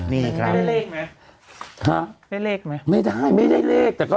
นี่ครับไม่ได้เลขไหมไม่ได้ไม่ได้เลขแต่ก็